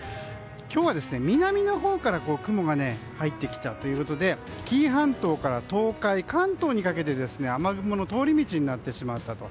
今日は南のほうから雲が入ってきたということで紀伊半島から東海関東にかけて雨雲の通り道になってしまったと。